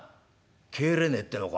帰れねえってのか。